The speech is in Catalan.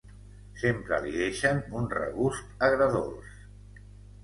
Sempre li deixen un regust agredolç.